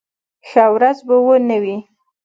ښه ورځ به و نه وي.